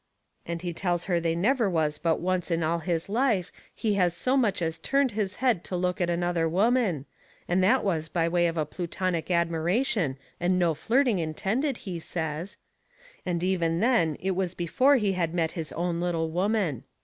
And he tells her they never was but once in all his life he has so much as turned his head to look at another woman, and that was by way of a plutonic admiration, and no flirting intended, he says. And even then it was before he had met his own little woman.